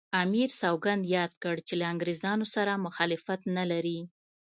امیر سوګند یاد کړ چې له انګریزانو سره مخالفت نه لري.